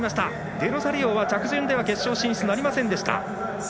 デロザリオ、着順では決勝進出なりませんでした。